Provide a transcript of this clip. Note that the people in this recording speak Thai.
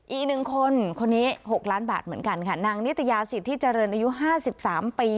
อีกหนึ่งคนคนนี้หกล้านบาทเหมือนกันค่ะนางนิตยาศิษย์ที่เจริญอายุห้าสิบสามปี